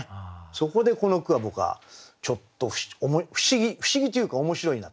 そこでこの句は僕はちょっと不思議不思議というか面白いな。